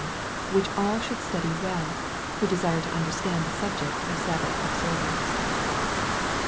MAEK, CHAP. II. 37 which all should study well, who desire to understand the subject of Sabbath observance.